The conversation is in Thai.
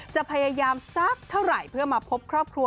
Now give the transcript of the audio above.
จะพยายามสักเท่าไหร่เพื่อมาพบครอบครัว